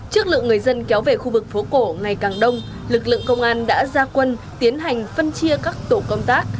trước lượng người dân kéo về khu vực phố cổ ngày càng đông lực lượng công an đã ra quân tiến hành phân chia các tổ công tác